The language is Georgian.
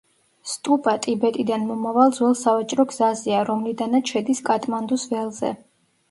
სტუპა ტიბეტიდან მომავალ ძველ სავაჭრო გზაზეა, რომლიდანაც შედის კატმანდუს ველზე.